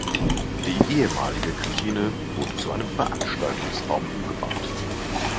Die ehemalige Kantine wurde zu einem Veranstaltungsraum umgebaut.